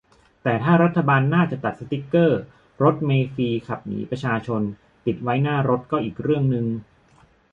แต้ถ้ารัฐบาลหน้าจะตัดสติ๊กเกอร์ "รถเมล์ฟรี ขับหนีประชาชน" ติดไว้หน้ารถ ก็อีกเรื่องนึง